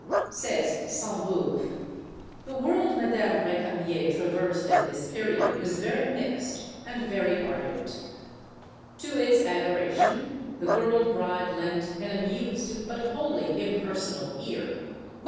Says Sainte Beuve: "The world Madame Recamier traversed at this period was very mixed and very ardent." To its adoration the girl bride lent an amused but wholly impersonal ear.